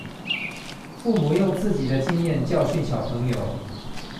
父母用自己的經驗教訓小朋友